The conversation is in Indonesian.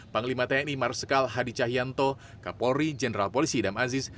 panglima tni marsikal hadi cahyanto kapolri jenderal polisi idam aziz